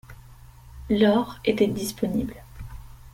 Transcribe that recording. L'or était disponible.